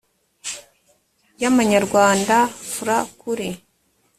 y amanyarwanda frw kuri